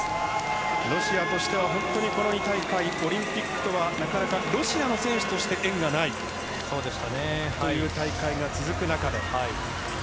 ロシアとしては本当にこの２大会オリンピックとはなかなか、ロシアの選手として縁がないという大会が続く中で。